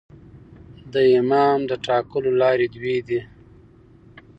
د امام د ټاکلو لاري دوې دي.